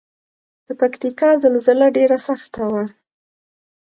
د پکتیکا زلزله ډیره سخته وه